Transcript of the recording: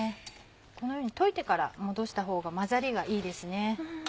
このように溶いてから戻したほうが混ざりがいいです。